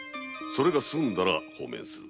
それが済んだら放免する。